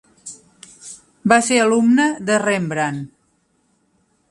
Va ser alumne de Rembrandt.